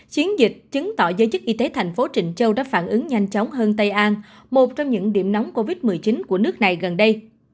chiến dịch chứng tỏ giới chức y tế thành phố trịnh châu đã phản ứng nhanh chóng hơn tây an một trong những điểm nóng covid một mươi chín của nước này gần đây